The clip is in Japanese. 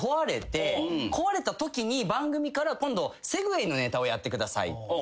壊れたときに番組から今度セグウェイのネタをやってくださいって言われて。